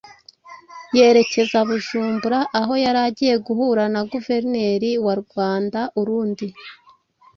yerekeza Bujumbura, aho yari agiye guhura na Guverineri wa Ruanda-Urundi